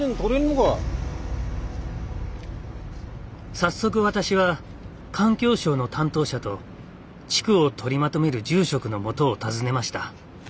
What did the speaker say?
早速私は環境省の担当者と地区を取りまとめる住職のもとを訪ねました。